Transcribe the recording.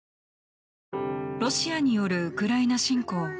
ロシアによるウクライナ侵攻。